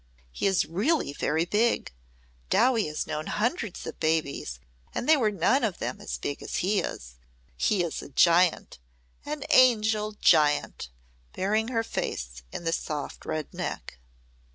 "He is really very big. Dowie has known hundreds of babies and they were none of them as big as he is. He is a giant an angel giant," burying her face in the soft red neck.